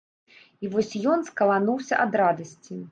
І вось ён скалануўся ад радасці.